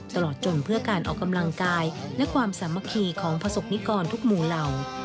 ตลอดจนเพื่อการออกกำลังกายและความสามัคคีของประสบนิกรทุกหมู่เหล่า